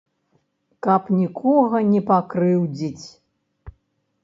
Каб нікога не пакрыўдзіць.